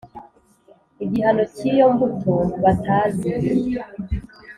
Igihano cy'iyo mbuto batazi